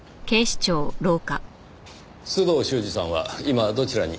須藤修史さんは今どちらに？